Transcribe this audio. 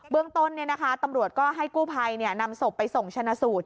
เรื่องต้นตำรวจก็ให้กู้ภัยนำศพไปส่งชนะสูตร